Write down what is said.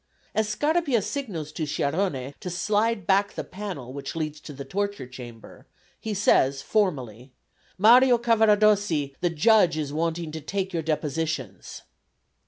As Scarpia signals to Sciarrone to slide back the panel which leads to the torture chamber, he says formally, "Mario Cavaradossi, the judge is wanting to take your depositions."